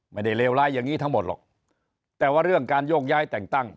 เลวร้ายอย่างนี้ทั้งหมดหรอกแต่ว่าเรื่องการโยกย้ายแต่งตั้ง